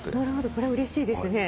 これはうれしいですね。